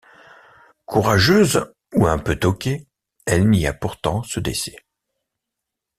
Courageuse ou un peu toquée, elle nia pourtant ce décès.